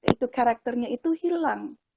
itu karakternya itu hilang